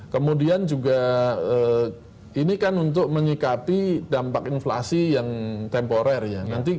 kemudian juga ini kan untuk menyikapi dampak inflasi yang temporer ya